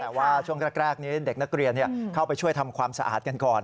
แต่ว่าช่วงแรกนี้เด็กนักเรียนเข้าไปช่วยทำความสะอาดกันก่อน